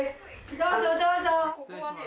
どうぞどうぞ！